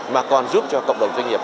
mà còn giúp cho cộng đồng doanh nghiệp